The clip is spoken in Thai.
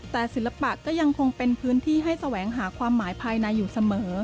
แต่ศิลปะก็ยังคงเป็นพื้นที่ให้แสวงหาความหมายภายในอยู่เสมอ